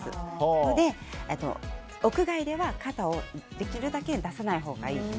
なので、屋外では肩をできるだけ出さないほうがいいと。